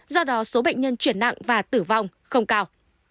do đó số bệnh nhân chuyển nặng và tử vong không cao